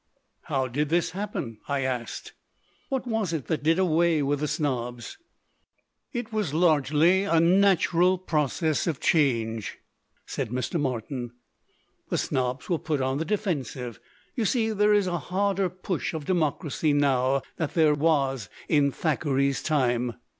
1 'How did this happen?" I asked. "What was it that did away with the snobs?" "It was largely a natural process of change," said Mr. Martin. "The snobs were put on the defensive. You see, there is a harder push of democracy now than there was in Thackeray's time.